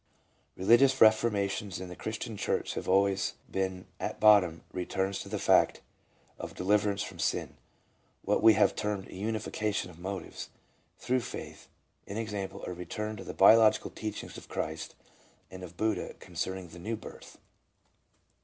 Re ligious reformations in the Christian church have always been, at bottom, returns to the fact of deliverance from sin (what we have termed unification of motives) through faith, i. e., a return to the biological teachings of Christ and of Buddha concerning the new birth.